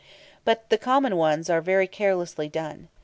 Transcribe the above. But the common ones are very carelessly done.